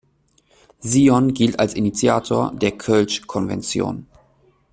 Sion gilt als Initiator der Kölsch-Konvention.